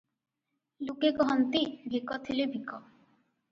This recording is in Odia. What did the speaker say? ଲୋକେ କହନ୍ତି, "ଭେକ ଥିଲେ ଭିକ ।"